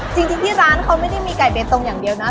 จริงที่ร้านเขาไม่ได้มีไก่เบตงอย่างเดียวนะ